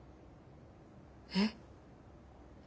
えっ。